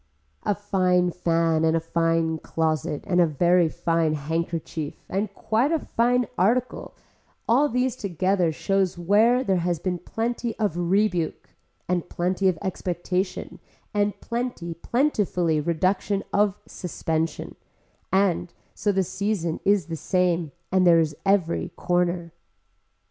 A fine fan and a fine closet and a very fine handkerchief and quite a fine article all these together shows where there has been plenty of rebuke and plenty of expectation and plenty, plentifully reduction of suspension, and so the season is the same and there is every corner.